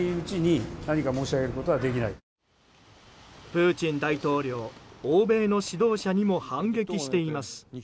プーチン大統領欧米の指導者にも反撃しています。